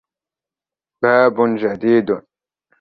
بَابٌ جَدِيدٌ